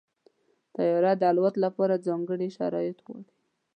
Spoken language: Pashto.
طیاره د الوت لپاره ځانګړي شرایط غواړي.